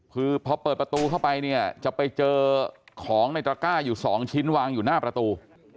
คือพอเปิดประตูเข้าไปเนี่ยจะไปเจอของในตระก้าอยู่๒ชิ้นวางอยู่หน้าประตู